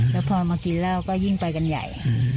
แล้วพอมากินเหล้าก็ยิ่งไปกันใหญ่